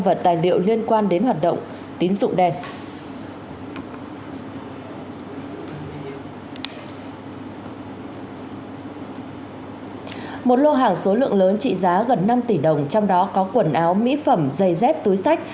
một lô hàng số lượng lớn trị giá gần năm tỷ đồng trong đó có quần áo mỹ phẩm giày dép túi sách